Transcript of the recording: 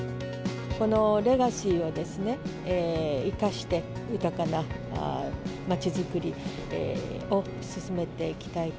このレガシーをですね、生かして、豊かなまちづくりを進めていきたいと。